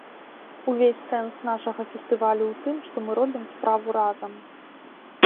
Увесь сэнс нашага фестывалю ў тым, што мы робім справу разам.